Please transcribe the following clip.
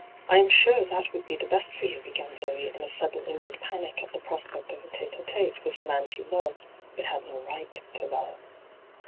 I am sure that would be the best for you,' began Zoe in a sudden inward panic at the prospect of a tke il tSte with the man she loved, but had no right to love.